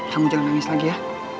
kamu jangan nangis lagi ya